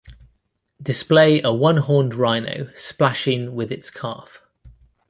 Display a one-horned rhino splashing with its calf.